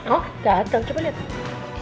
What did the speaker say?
oh gatel coba lihat